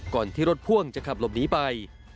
ก่อนที่รถพ่วงจะขับหลบหนีไป